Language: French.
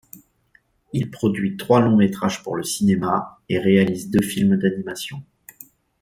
Il produit trois longs-métrages pour le cinéma, et réalise deux films d'animation.